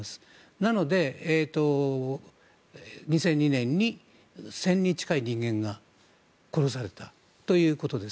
なので、２００２年に１０００人近い人間が殺されたということです。